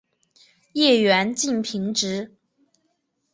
叶缘近平直。